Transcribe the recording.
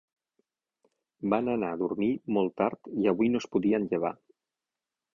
Van anar a dormir molt tard i avui no es podien llevar